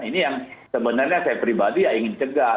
ini yang sebenarnya saya pribadi ya ingin cegah